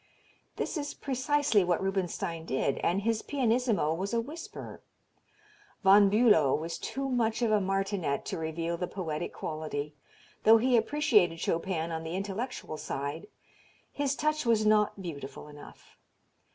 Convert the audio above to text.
This is precisely what Rubinstein did, and his pianissimo was a whisper. Von Bulow was too much of a martinet to reveal the poetic quality, though he appreciated Chopin on the intellectual side; his touch was not beautiful enough.